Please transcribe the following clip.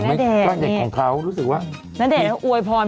อ้าามีนะเด็ด